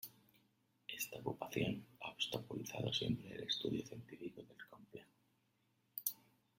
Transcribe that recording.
Esta ocupación ha obstaculizado siempre el estudio científico del complejo.